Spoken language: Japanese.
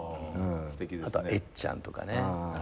あとえっちゃんとかね。